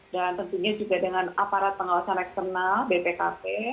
dan tentunya juga dengan aparat pengawasan eksternal bpkp